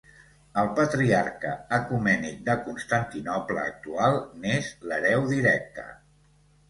El Patriarcat Ecumènic de Constantinoble actual n'és l'hereu directe.